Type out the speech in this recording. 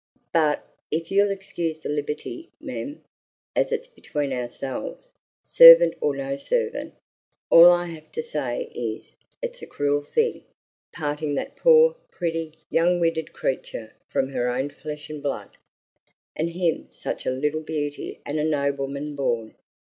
But, if you'll excuse the liberty, mem, as it's between ourselves, servant or no servant, all I have to say is, it's a cruel thing, parting that poor, pretty, young widdered cre'tur' from her own flesh and blood, and him such a little beauty and a nobleman born.